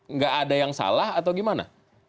nggak ada yang salah atau gimana